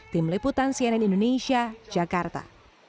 tim liputan cnn indonesia jakarta